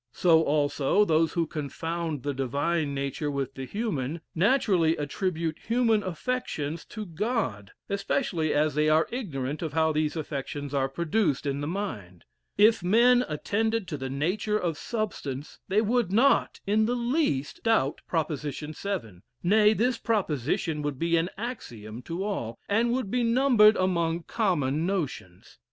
So, also, those who confound the divine nature with the human, naturally attribute human affections to God, especially as they are ignorant of how these affections are produced in the mind. If men attended to the nature of substance, they would not, in the least, doubt proposition seven; nay, this proposition would be an axiom to all, and would be numbered among common notions.